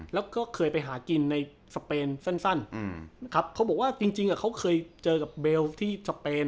แล้วก็เคยไปหากินในสเปนสั้นนะครับเขาบอกว่าจริงเขาเคยเจอกับเบลที่สเปน